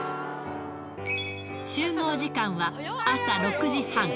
集合時間は朝６時半。